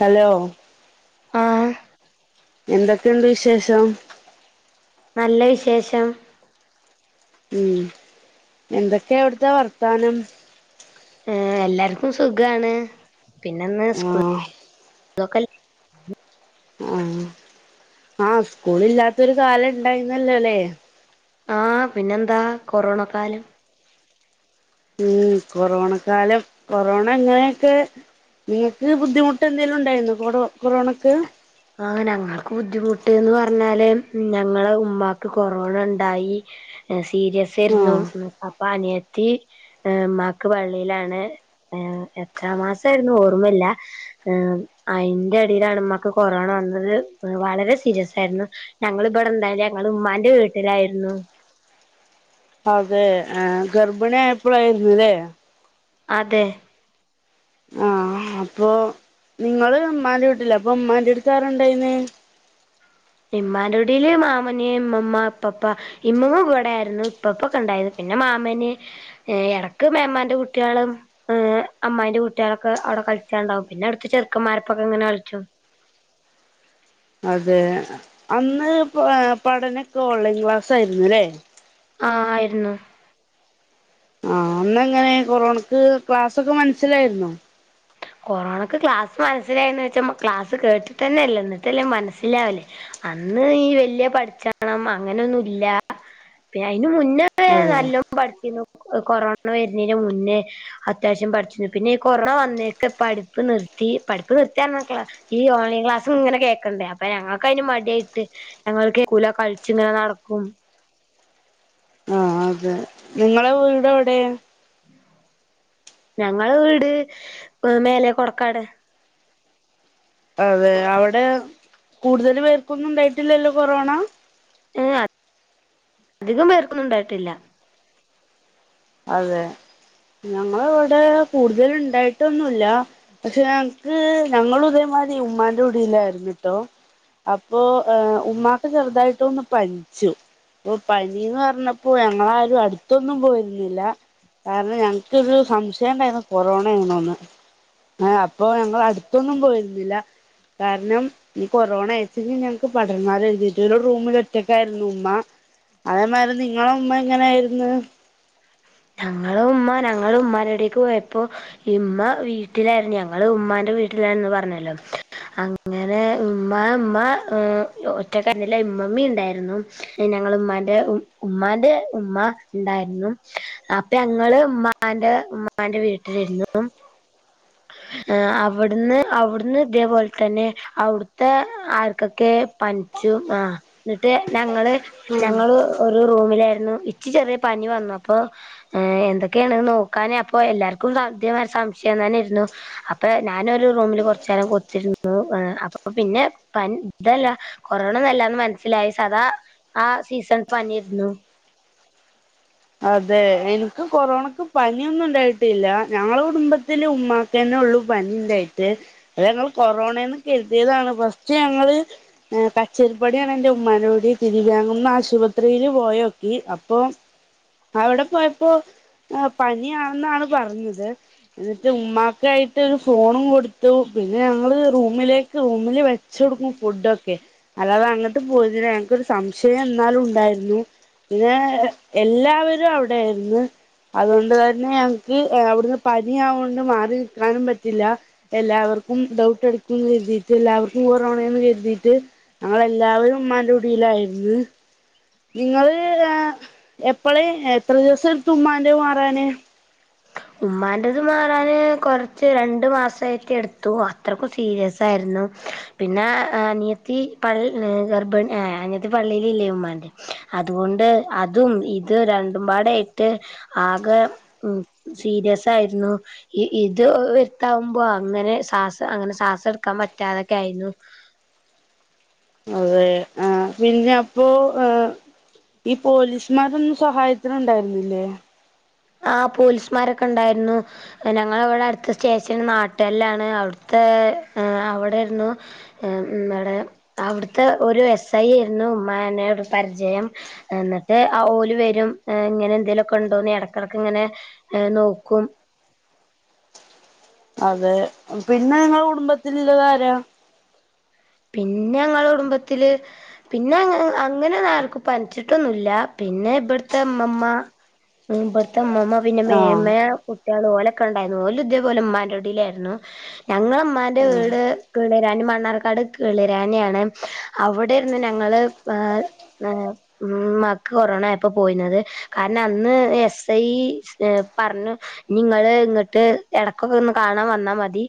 Hello ആഹ് എന്തൊക്കെയുണ്ട് വിശേഷം ശേഷം ഉം എന്തൊക്കെയാ അവിടിത്തെ വർത്താനം ഏ എല്ലാർക്കു സുഗാണ് പിന്നന്ന് സ്കൂ ആഹ് [unintelligible] ആ ആ സ്കൂളില്ലാത്തൊരു കാലം ഇണ്ടായിര്ന്നല്ലോല്ലേ? ആ പിന്നെന്താ കൊറോണ കാലം. ഉം കൊറോണ കാലം കൊറോണ ഇങ്ങനെയൊക്കെ നിങ്ങക്ക് ബുദ്ധിമുട്ടെന്തേലു ഉണ്ടായിരുന്നോ കൊറോ കൊറോണക്ക്? ആ നങ്ങൾക്ക് ബുദ്ധിമുട്ട്ന്ന് പറഞ്ഞാല് ഞങ്ങളെ ഉമ്മാക്ക് കൊറോണ ഇണ്ടായി. സീരിയസാരരുന്നു ആഹ് ഉം അപ്പാ അനി യത്തി ഏഹ് ഉമ്മാക്ക് പള്ളേലാണ് ഏഹ് എത്ര മാസായിരുന്നു ഓർമ്മില്ല ഏഹ് അയിന്റെടടേലാണ് ഉമ്മാക്ക് കൊ കൊറോണ വന്നത് ഉം വളരെ സീരിയസ് ആരുന്നു ഞങ്ങളിബടിണ്ടായില്ല ഞങ്ങള് ഉമ്മാന്റെ വീട്ടിലാരുന്നു. അതെ ഏ ഗർഭിണി ആയപ്പോഴാരിന്നൂല്ലേ? അതെ. ആഹ് അപ്പൊ നിങ്ങള് ഉമ്മാന്റെ വീട്ടില് അപ്പൊ ഉമ്മാന്റെ അടുത്ത് ആരാ ഇണ്ടായിന്? ഇമ്മാന്റെ ഇടിയില് മാമന്, ഇമ്മമ്മ, ഇപ്പപ്പ, ഇമ്മങ്ങ ഇവിടെ ആയിരുന്നു ഇപ്പപ്പൊക്കെ ഉണ്ടായത് പിന്നെ മാമന് ഏഹ് ഇടക്ക് മേമാന്റെ കുട്ടികളും ഏഹ് അമ്മാന്റെ കുട്ടികളൊക്കെ അവിടെ കളിച്ചാണ്ടാവും പിന്നെ അടുത്ത ചെറുക്കന്മാരപ്പൊക്കെ എങ്ങനെ കളിച്ചു. അതെ അന്ന് പഠനൊക്കെ ഓൺലൈൻ ക്ലാസ് ആയിരുന്നുല്ലേ? ആഹ് ആയിരുന്നു. ആഹ് അന്ന് എങ്ങനെ കൊറോണക്ക് ക്ലാസൊക്കെ മനസ്സിലായിരുന്നോ? കൊറോണക്ക് ക്ലാസ് മനസ്സിലായിന്ന് വെച്ചാ ക്ലാസ്സ് കേട്ടിട്ട് തന്നെയില്ല എന്നിട്ടല്ലേ മനസ്സിലാവല് അന്ന് ഈ വല്ല്യ പഠിച്ചണം അങ്ങനെയൊന്നുല്ല പി ഇയിനു മുന്നേ അതെ നല്ലോം പഠിച്ചിനു. കൊ കൊറോണ വരുന്നതിന് മുന്നേ അത്യാവശ്യം പഠിച്ചിനു പിന്നെ ഈ കൊറോണ വന്നേ രത്ത് പഠിപ്പ് നിർത്തി പഠിപ്പ് നിർത്തിയാ റഞ്ഞാ ഈ ഓൺലൈൻ ക്ലാസ്സും ഇങ്ങനെ കേൾക്കണ്ടേ അപ്പൊ ഞങ്ങൾക്ക് അതിന് മടിയിട്ട് ഞങ്ങൾ കേക്കൂല കളിച്ച് ഇങ്ങനെ നടക്കും. ആ അതെ നിങ്ങളെ വീട് എവിടേ? ഞങ്ങലേ വീട് മേലെ കൊടക്കാട്. അതെ അവിടെ കൂടുതൽ പേർക്കൊന്നും ഉണ്ടായിട്ടില്ലല്ലോ കൊറോണ? ഏഹ് അധികം പേർക്കൊന്നും ഇണ്ടായിട്ടില്ല. അതെ ഞങ്ങളെ ഇവിടെ കൂടുതൽ ഉണ്ടായിട്ടൊന്നുമില്ല പക്ഷേ ഞങ്ങക്ക് ഞങ്ങളുതേമാരി ഉമ്മാന്റെ കുടിയിലായിരുന്നു ട്ടോ അപ്പൊ ഏഹ് ഉമ്മാക്കെ ചെറുതായിട്ടൊന്ന് പനിച്ചു അപ്പൊ പനിന്ന് പറഞ്ഞപ്പോ ഞങ്ങളാരും അടുത്തൊന്നും പോയി രുന്നില്ല കാരണം ഞങ്ങക്കൊരു സംശയം ഉണ്ടായിരുന്നു കൊറോണ ആണോന്ന് അപ്പൊ ഞങ്ങൾ അടുത്തൊന്നും പോയിരുന്നില്ല കാരണം ഈ കൊറോണ [unintelligible] ഞങ്ങക്ക് പടർന്നാലോ കരുതീട്ട് ഒരു റൂമിൽ ഒറ്റക്കായിരുന്നു ഉമ്മ, അതേമാരി നിങ്ങള ഉമ്മ എങ്ങനെ ആയിരുന്നു? ഞങ്ങളെ ഉമ്മ ഞങ്ങള് ഉമ്മാനവിടേക്ക് പോയപ്പോ ഉമ്മ വീട്ടിലായിരുന്നു ഞങ്ങള് ഉമ്മാന്റെ വീട്ടിലായിരുന്ന് പറഞ്ഞല്ലോ അങ്ങനെ ഉമ് ഉമ്മ ഒറ്റക്കായിരുന്നീല ഉമ്മമ്മീ ഉണ്ടായിരുന്നു ഞങ്ങള് ഉമ്മാന്റെ ഉ ഉമ്മാന്റെ ഉമ്മ ഉണ്ടായിരുന്നു. അപ്പോ ഞങ്ങള് ഉമ്മാന്റെ ഉമ്മാന്റെ വീട്ടിലിരുന്നു അവിടുന്ന് അവിടുന്ന് ഇതേപോലെ തന്നെ അവിടുത്തെ ആർക്കൊക്കെ പനിച്ചും ആ എന്നിട്ട് ഞങ്ങള് ഞങ്ങള് ഒരു റൂമിലായിരുന്നു ഇച്ചി ചെറിയ പനി വന്നു. അപ്പോ ഏഹ് എന്തൊക്കെയാണ് നോക്കാന് അപ്പോ എല്ലാർക്കും [unintelligible] സംശയം തന്നെ ഇരുന്നു അപ്പോ ഞാനൊരു റൂമില് കുറച്ച നേരം കുത്തിരുന്നു അപ്പോ പിന്നെ പ ഇതല്ല കൊറോണ എന്നല്ലാന്ന് മനസ്സിലായി സാധാ ആ സീസൺ പനിയായിരുന്നു. അതെ എനിക്ക് കൊറോണക്ക് പനിയൊന്നും ഉണ്ടായിട്ടില്ല ഞങ്ങളെ കുടുംബത്തിലെ ഉമ്മാക്ക് തന്നെ ഉള്ളു പനി ഉണ്ടായിട്ട് അത് ഞങ്ങൾ കൊറോണന്ന് കരുതിയതാണ് ഫസ്റ്റ് ഞങ്ങള് കച്ചരിപ്പാടിയാണ് എൻറെ ഉമ്മാനോടി തിരിവയാങ്ങുന്ന ആശുപത്രിയില് പോയോക്കി അപ്പോ അവിടെ പോയപ്പോ പനിയാണെന്നാണ് പറഞ്ഞത് എന്നിട്ട് ഉമ്മാക്കായിട്ട് ഒരു ഫോണും കൊടുത്തു പിന്നെ ഞങ്ങള് റൂമിലേക്ക് റൂമില് വെച്ച് കൊടുക്കും ഫുഡൊക്കെ അല്ലാതെ അങ്ങോട്ട് പോയതിന് ഞങ്ങക്കൊരു സംശയം എന്നാലും ഉണ്ടായിരുന്നു പിന്നെ എല്ലാ വരും അവിടെ ആയിരുന്നു അതുകൊണ്ട് തന്നെ ഞങ്ങക്ക് അവിടുന്ന് പനി ആവോണ്ട് മാറി നിക്കാനും പറ്റില്ല എല്ലാവർക്കും ഡൗട്ട് എടുക്കുന്ന് കരുതിയിട്ട് എല്ലാവർക്കും കൊറോണാന്ന് കരുതിയിട്ട് ഞങ്ങള് എല്ലാവരും ഉമ്മാന്റെ കുടിയിലായിരുന്നു. നിങ്ങള് ആ എപ്പള് എത്ര ദിവസെടുത്തു ഉമ്മാന്റെ മാറാന്? ഉമ്മാന്റത് മാറാന് കൊറച്ച് രണ്ടു മാസമായിട്ട് എടുത്തു അത്രക്കും സീരിയസ് ആയിരുന്നു പിന്നെ അനിയത്തി പള്ള ഗർഭിണി അനിയത്തി പള്ളയില് ഇല്ലേ ഉമ്മാറെ അതുകൊണ്ട് അതും ഇത് രണ്ടുംപാടായിട്ട് ആകെ ഉം സീരിയസ് ആയിരുന്നു ഇത് വരുത്താവുമ്പോ അങ്ങനെ ശ്വാസ അങ്ങനെ ശ്വാസം എടുക്കാൻ പറ്റാതൊക്കെ ആയിരുന്നു. അതേ ആ പിന്നെ അപ്പോ ഈ പോലീസ്മാരൊന്നും സഹായത്തിന് ഉണ്ടായിരുന്നില്ലേ? ആ പോലീസ്മാരൊക്കെ ഉണ്ടായിരുന്നു ഞങ്ങള ഇവിടെ അടുത്ത സ്റ്റേഷൻ നാട്ടുകല്ലാണ്, അവിടുത്തെ അവിടാരുന്നു വിടെ അവിടുത്തെ ഒരു എസ് ഐ ആയിരുന്നു ഉമ്മാനെ ഒരു പരിചയം എന്നിട്ട് ആ ഓല് വരും ഇങ്ങനെ എന്തെങ്കലുമൊക്കെ ഉണ്ടോന്ന് ഇട ക്കെടക്ക് ഇങ്ങനെ നോക്കും. അതെ പിന്നെ നിങ്ങളെ കുടുംബത്തിലുള്ളത് ആരാ? പിന്നെ ഞങ്ങളുടെ കുടുംബത്തില് പിന്നെ അങ്ങനെന്നും ആർക്ക് പനിച്ചിട്ടൊന്നുമല്ല പിന്നെ ഇവിടത്തെ അമ്മമ്മ ഇവിടത്തെ അമ്മമ്മ പിന്നെ മേമ്മ ആഹ് കുട്ടികള് ഓലൊക്കെ ഉണ്ടായിരുന്നു ഓലൊക്കെ ഇതേപോലെ ഉമ്മാന്റെ കുടിയിലായിരുന്നു ഞങ്ങളെ ഉമ്മാന്റെ വീട് വീടെ രണ്ട് മണ്ണാർക്കാട് കളിരാനെയാണ് അവിടേരുന്നു ഞങ്ങള് ഏഹ് ഏഹ് ഉമ്മാക്ക് കൊറോണ ആയപ്പോ പോയിന്നത് കാരണം അന്ന് എസ് ഐ പറഞ്ഞു നിങ്ങള് ഇങ്ങോട്ട് ഇടക്കൊക്കെ ഒന്ന് കാണാൻ വന്നാ മതി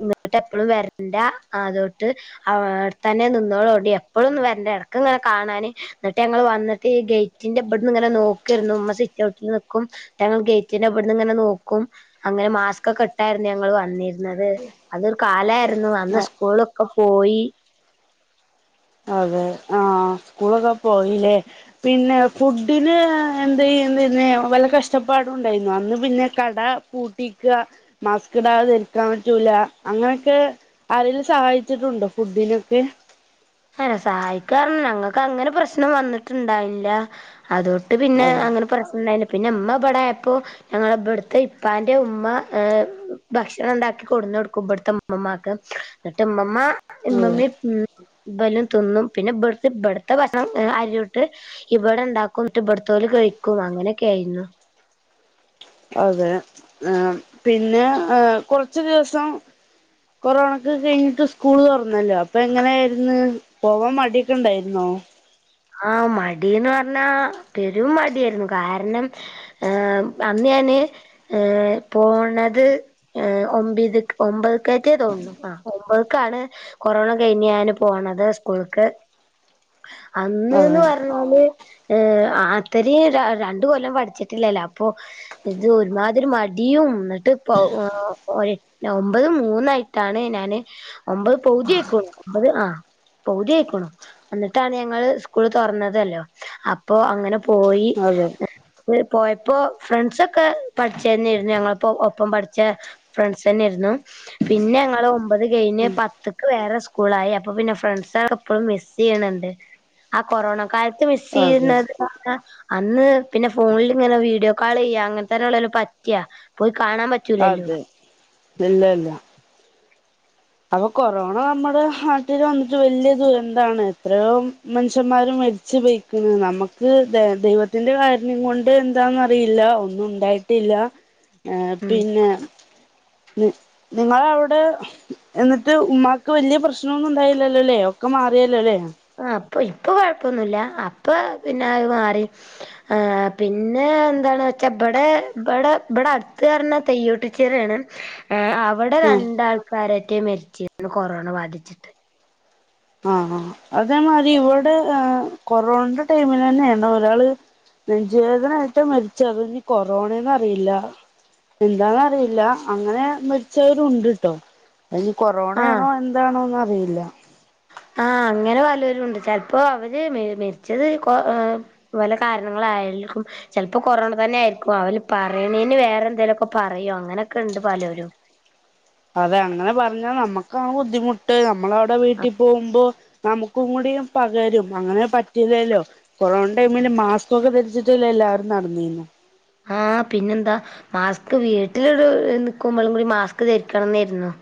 ഇങ്ങോട്ട് എപ്പോഴും വരണ്ട അത് ണ്ട് ആടെ തന്നെ നിന്നോളു ണ്ട് എപ്പോഴൊന്നും വരണ്ട ഇടക്ക് ഇങ്ങനെ കാണാൻ എന്നിട്ട് ഞങ്ങൾ വന്നിട്ട് ഗേറ്റിന്റെ ഇവിടന്ന് ഇങ്ങനെ നോക്കേരുന്നു ഉമ്മ സിറ്റ് ഔട്ടിൽ നിക്കും ഞങ്ങൾ ഗേറ്റിന്റെ ഇവിടന്ന് ഇങ്ങനെ നോക്കും അങ്ങനെ മാസ്ക്കൊക്കെ ഇട്ടായിരുന്നു ഞങ്ങൾ വന്നിരുന്നത് അതൊരു കാലമായിരുന്നു അന്ന് സ്കൂള ളൊക്കെ പോയി അതെ ആഹ് സ്കൂളൊക്കെ പോയില്ലേ പിന്നെ ഫുഡിന് എന്താ [unintelligible] വല്ല കഷ്ടപ്പാടും ഉണ്ടായിരുന്നോ അന്ന് പിന്നെ കട പൂട്ടിക്കാ, മാസ്ക് ഇടാതെ ധരിക്കാൻ പറ്റൂല അങ്ങനൊക്കെ ആരേലും സഹായിച്ചിട്ടുണ്ടോ ഫുഡിനൊക്കെ? [unintelligible] സഹായിക്കാറഞ്ഞാ ഞങ്ങക്ക് അങ്ങനെ പ്രശ്നം വന്നിട്ടുണ്ടായില്ല. അതൊട്ട് പിന്നെ അതെ അങ്ങനെ പ്രശ്നംണ്ടായ പിന്നെ ഇമ്മ പടായപ്പോ ഞങ്ങള ഇവിടുത്തെ ഇപ്പാന്റെ ഉമ്മ ഭക്ഷണം ഇണ്ടാക്കി കൊടുന്ന് കൊടുക്കും ഇവട്ത്തെ ഇമ്മമ്മമാക്ക് എന്നിട്ട് ഇമ്മമ്മ അതെ ഇമ്മമ്മിം ഉം ഇ ബലും തിന്നും പിന്നെ ഇവിടു ഇപട്ത്തെ ഭക്ഷണം അരിയോട്ട് ഇപടെണ്ടാക്കും ന്നിട്ട് ഇപട്ത്തോല് കഴിക്കും അങ്ങനെയൊക്കെ ആയിരുന്നു അതെ പിന്നെ കൊറച്ച് ദിവസം കൊറോണൊക്കെ കഴിഞ്ഞിട്ട് സ്കൂൾ തുറന്നല്ലോ അപ്പൊ എങ്ങനെയായിരുന്നു പോവാൻ മടിയൊക്കെ ണ്ടായിര്ന്നോ ആഹ് മടീന്ന് പറഞ്ഞാ പെരും മടിയായിരുന്നു കാരണം അന്ന് ഞാന് പോണത് ഒമ്പത് ഒമ്പത്ക്കായിട്ടേ തോന്നു ആ ഒമ്പത്ക്കാണ് കൊറോണ കഴിഞ്ഞ് ഞാന് പോണത് സ്കൂള്ക്ക് അന്ന്ന്ന് അതെ പറഞ്ഞാല് അത്രരിയും രണ്ട് കൊല്ലം പഠിച്ചിട്ടില്ലല്ലോ അപ്പൊ ഇത് ഒരുമാതിരി മടിയും എന്നിട്ട് ഒമ്പത് മൂന്നായിട്ടാണ് ഞാന് ഒമ്പത് പൗതി ആയിക്ക്ണു ഒമ്പത് ആ പൗതി ആയിക്ക്ണു എന്നിട്ടാണ് ഞാൻ ങ്ങള് സ്കൂള് തൊറന്നതല്ലോ അപ്പോ അങ്ങനെ പോയി അതെ പോയപ്പോ ഫ്രണ്ട്സൊക്കെ പഠിച്ചെന്നെരുന്നു ഞങ്ങളപ്പോ ഒപ്പം പഠിച്ച ഫ്രണ്ട്സ്ന്നെയിരുന്നു പിന്നെ ഞങ്ങള് ഒമ്പത് കെയിഞ്ഞ് പത്ത്ക്ക് വേറെ സ്കൂളായി അപ്പൊ പിന്നെ ഫ്രണ്ട്സ് എപ്പോളും മിസ് ചെയ്യണ് ണ്ട് ആ കൊറോണ കാല ത് [unintelligible] അതെ ന്നത് പറഞ്ഞാ അന്ന് പിന്നെ ഫോണിലിങ്ങനെ വീഡിയോ കാൾ ചെയ്യ അങ്ങനെ തന്നെള്ളു പറ്റാ കാണാൻ പറ്റൂലല്ലോ അതെ ഇല്ല ഇല്ല അപ്പൊ കൊറോണ നമ്മടെ നാട്ടില് വന്നിട്ട് വല്യ ദുരന്താണ് എത്രയോ മൻഷ്യന്മാര് മരിച്ച്പൊയ്ക്ക്ണ് നമ്മക്ക് ദ ദൈവത്തിന്റെ കാര്ണ്യം കൊണ്ട് എന്താന്ന്റിയില്ല ഒന്നും ണ്ടായിട്ടില്ല ഉം പിന്നെ നി നിങ്ങളവിടെ എന്നിട്ട് ഉമ്മാക്ക് വല്യ പ്രശ്നൊന്നും ഉണ്ടായില്ലല്ലോല്ലേ ഒക്കെ മാറിയലോ ല്ലേ ആ അപ്പൊ ഇപ്പൊ കൊഴപ്പൊന്നുല്ല അപ്പൊ പിന്നെ അ മാറി ആ പിന്നെ എന്താന്ന്വച്ചാ ഇബടെ ഇബടെ ഇബടെ അടുത്ത് ന്നറഞ്ഞാ തെയ്യോട്ടിച്ചിറയാണ് ഏ അവിടെ ആഹ് രണ്ടാൾക്കാരറ്റെ മരിച്ച്ര്ന്നു കൊറോണ ബാധിച്ചിട്ട് ആആ അതേമാതി ഇവടെ ഏ കൊറോണന്റെ ടൈമിലന്നെയാണ് ഒരാള് നെഞ്ചുവേദനായിട്ട് മരിച്ചത് ഇനി കൊറോണന്ന്റിയില്ല എന്താന്നറിയില്ല അങ്ങനെ മരിച്ചവരുണ്ട്ട്ടോ അയ്നി കൊറോണയാണോ എന്താണോ എന്നറി യില്ല ആ അങ്ങനെ പലൊരും ഉണ്ട് ചെലപ്പോ അവര് മെരിച്ചത് കൊ വല കാരണങ്ങളായിലിക്കും ചെലപ്പോ കൊറോണ തന്നെ ആയിരിക്കും അവല് പറയണേന് വേറെ എന്തെലൊക്കെ പറയും അങ്ങനെയൊക്കെ ഉണ്ട് പലൊരും അതെ അങ്ങനെ പറഞ്ഞാൽ നമ്മക്കാ ബുദ്ധിമുട്ട് നമ്മ നമ്മളവിടെ വീട്ടി പോവുമ്പോ നമുക്കും കൂടിയും പകരും അങ്ങനെ പറ്റില്ലല്ലോ കൊറോണ്ടൈമില് മാസ്ക് ഒക്കെ ധരി ച്ചിട്ടല്ലേല്ലാവരും നടന്നീനെ ആ പിന്നെന്താ മാസ്ക് വീട്ടിലൊരു നിക്കുമ്പോളും കൂടി മാസ്ക് ധരിക്കണന്നായിരുന്നു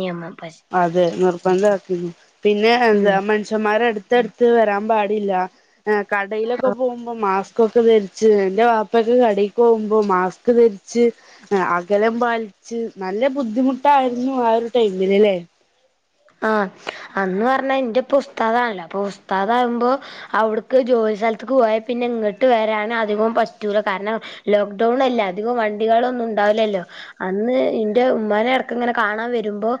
നിയമം പക്ഷെ അതെ നിർ ബദ്ധാക്കീനി പിന്നെ ഉം എന്താ മനുഷ്യന്മാരെ ട് ത്തെട്ത്ത് വരാൻ പാടില്ല ആ കടയിലൊക്കെ പോകുമ്പോ മാസ് ക്കൊക്കെ ധരിച്ച് എന്റെ വാപ്പൊക്കെ കടേക്കോ കുമ്പോൾ മാസ്ക് ധരിച്ച് അകലം പാലിച്ച് നല്ല ബുദ്ധിമുട്ടായിരുന്നു ആ ഒരു ടൈമിൽല്ലേ ആ അന്ന് വർഞ്ഞാ ന്റെ ഇപ്പ ഉ സ്താദാണ്ല്ലോ. അപ്പൊ ഉസ്താദാമ്പോ അവ്ടുക്ക് ജോലിസെൽത്ത്ക്ക് പോയാ പിന്നെ ങ്ങട്ട് വരാന് അധികോം പറ്റൂല. കാരണം ലോക്ക്ഡൌൺ അല്ലെ അധികൊം വണ്ടികളൊന്നും ണ്ടാവു ലല്ലോ. അന്ന് ഇന്റെ ഉമ്മാനെ ഇടക്ക്ങ്ങനെ കാണാ വരുമ്പോ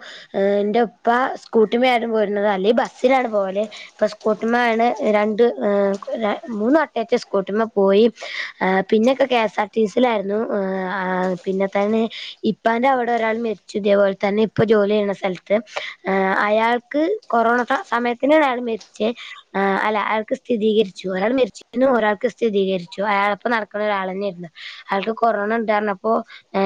ന്റെ ഇപ്പ സ്കൂട്ടിമ്മെ ആര്ന്നു പോര് ന്നത്. അല്ലെ ബസ്സിലാണ് പോവല് ഇപ്പ സ്കൂട്ടിമ്മ ആണ് രണ്ട്, മൂന്ന് വട്ടെറ്റേ സ്കൂട്ടിമ്മെ പോയി. പിന്നെക്കെ കെ എസ് ആർ ടി സ് ലാരുന്നു. പിന്നെ തന്നെ ഇപ്പന്റെ അവിടെ ഒരാൾ മെര്ച്ചു ഇതേപോലെ തന്നെ ഇപ്പ ജോലി യ്യെ ണ സെൽത്ത് ആ അയാൾക്ക് കൊറോണ സമയത്തിനാണ് അയാൾ മര്ച്ചേ. അല്ല അയാൾക്ക് സ്ഥിതീകരിച്ചു. ഒരാൾ മെര്ച്ചീന്നു ഒരാൾക്ക് സ്ഥിതീകരിച്ചു അയാളപ്പ നടക്കണ ഒരാളെന്നെയാരുന്നു. അയാൾക്ക് കൊറോണ ഇണ്ട് അർഞ്ഞപ്പോ ഏ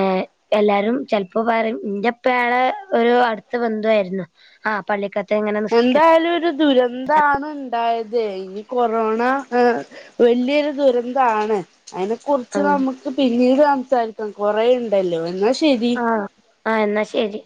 എല്ലാരും ചെൽപ്പോ പറിം ഇന്റെ പ്പേണ് ഒരു അട്ത്ത ബന്ധുവാര്ന്നു. ആഹ പള്ളിക്ക എങ്ങന നിസ്ക്ക എന്തായാലും ഒരു ദുരന്താണ് ണ്ടായ അതെ ഈ കൊറോണ വല്യൊരു ദുരന്താണ്- അതിനെ കുറിച്ച് ആഹ് നമുക്ക് പിന്നീട്- സംസാരിക്ക കൊറേയിണ്ടല്ലോ എന്ന - ആഹ ആ എന്നാ ശരി-